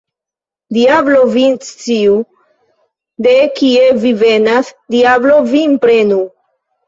Diablo vin sciu, de kie vi venas, diablo vin prenu!